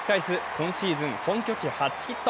今シーズン本拠地初ヒット。